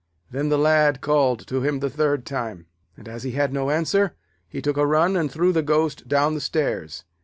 Then the Lad called to him the third time, and, as he had no answer, he took a run and threw the ghost down the stairs.